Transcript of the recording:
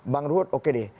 bang ruhut oke deh